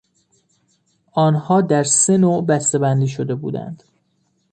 آنها درسه نوع دسته بندی شده بودند.